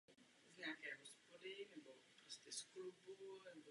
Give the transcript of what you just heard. Interiéry zámku navrhl a prováděl Franz Hofmann a jeho syn Julius.